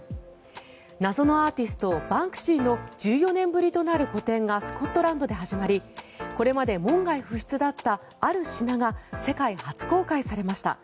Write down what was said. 謎のアーティスト、バンクシーの１４年ぶりとなる個展がスコットランドで始まりこれまで門外不出だったある品が世界初公開されました。